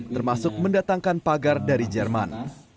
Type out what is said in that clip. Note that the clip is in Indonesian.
termasuk mendatangkan pagar dari jerman